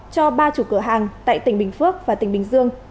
cho ba chủ cửa hàng tại tỉnh bình phước và tỉnh bình dương